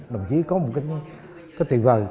đồng chí có một cái tuyệt vời